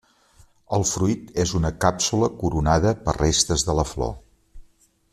El fruit és una càpsula coronada per restes de la flor.